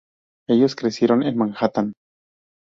Ellos crecieron en Manhattan.